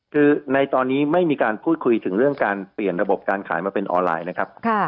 คือในตอนนี้ไม่มีการพูดคุยถึงเรื่องการเปลี่ยนระบบการขายมาเป็นออนไลน์นะครับ